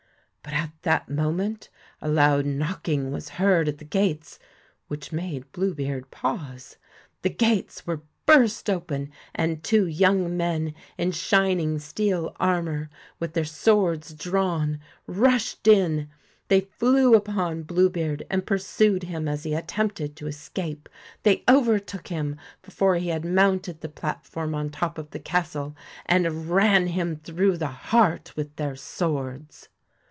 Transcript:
But at that moment a loud knocking was heard at the gates, which made Blue beard pause. The gates were burst open, and two young men in shining steel armour, with their swords drawn, rushed in. They flew upon Blue beard and pursued him as he attempted to escape ; they overtook him before he had mounted the platform on top of the castle, and ran him through the heart with their swords.